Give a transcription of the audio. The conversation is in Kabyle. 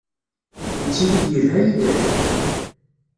Yettili-d yelha yid-k?